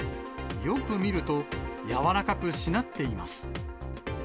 よく見ると、柔らかくしなっています。